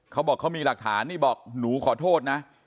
เขามีหลักฐานมีบอกว่าหนูขอโทษนะ